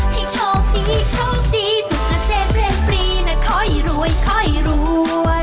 ให้โชคดีโชคดีสุขเศษเพลงปรีนะคอยรวยคอยรวย